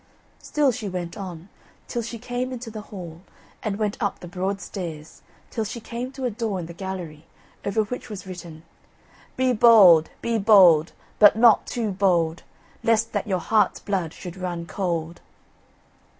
Still she went on, till she came into the hall, and went up the broad stairs till she came to a door in the gallery, over which was written: BE BOLD, BE BOLD, BUT NOT TOO BOLD, LEST THAT YOUR HEART'S BLOOD SHOULD RUN COLD.